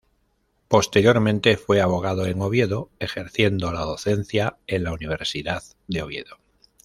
Posteriormente, fue abogado en Oviedo, ejerciendo la docencia en la Universidad de Oviedo.